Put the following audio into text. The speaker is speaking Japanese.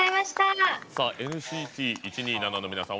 ＮＣＴ１２７の皆さん